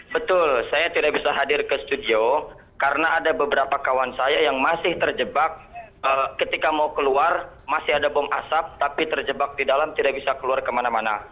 betul saya tidak bisa hadir ke studio karena ada beberapa kawan saya yang masih terjebak ketika mau keluar masih ada bom asap tapi terjebak di dalam tidak bisa keluar kemana mana